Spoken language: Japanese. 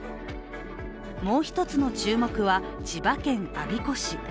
もう一つの注目は、千葉県我孫子市。